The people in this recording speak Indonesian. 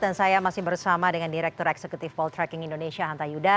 dan saya masih bersama dengan direktur eksekutif poltracking indonesia hanta yuda